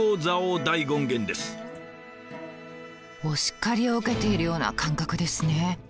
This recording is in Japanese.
お叱りを受けているような感覚ですね。